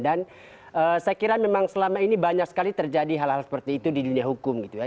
dan saya kira memang selama ini banyak sekali terjadi hal hal seperti itu di dunia hukum gitu ya